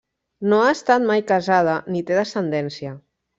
No ha estat mai casada ni té descendència.